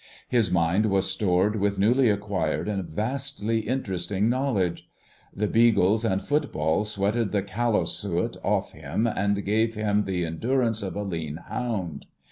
His mind was stored with newly acquired and vastly interesting knowledge. The beagles and football sweated the "callow suet" off him and gave him the endurance of a lean hound.